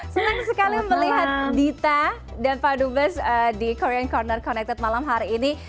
senang sekali melihat dita dan pak dubes di korean corner connected malam hari ini